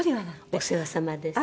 「お世話さまです」。